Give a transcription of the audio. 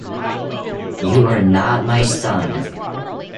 You are not my suns!